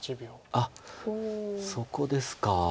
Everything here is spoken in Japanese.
あっそこですか。